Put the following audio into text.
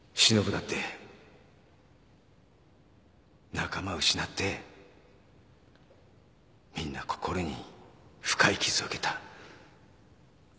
仲間を失ってみんな心に深い傷を受けた。